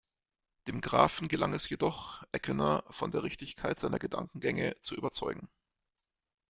Dem Grafen gelang es jedoch, Eckener von der Richtigkeit seiner Gedankengänge zu überzeugen.